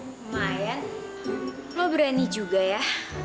lumayan lo berani juga ya